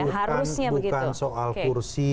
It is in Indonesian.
harusnya begitu bukan soal kursi